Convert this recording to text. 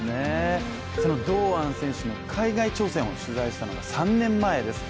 その堂安選手の海外挑戦を取材したのが３年前です。